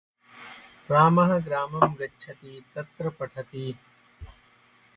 Stripboards have evolved over time into several variants and related products.